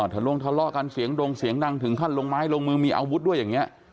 ลงทะเลาะกันเสียงดงเสียงดังถึงขั้นลงไม้ลงมือมีอาวุธด้วยอย่างนี้